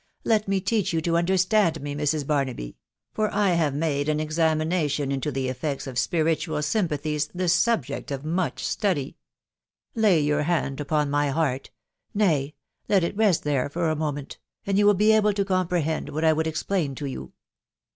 Let me teach you to understand me, Mrs. Barnaby, .... for I have made an examination into the effects of spiritual sym pathies the subject of much study. ... Lay your hand upon my heart .... nay, let it rest there for a moment, and you will be able to comprehend what I would explain to you.